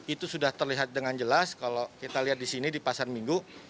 itu sudah terlihat dengan jelas kalau kita lihat di sini di pasar minggu